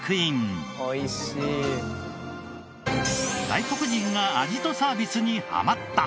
外国人が味とサービスにハマった！